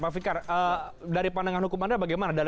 pak fikar dari pandangan hukum anda bagaimana